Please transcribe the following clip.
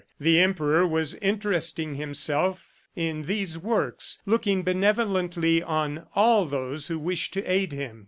The Emperor was interesting himself in these works, looking benevolently on all those who wished to aid him.